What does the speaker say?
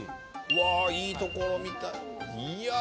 うわいいところみたい。